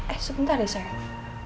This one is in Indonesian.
eh sebentar ya sayang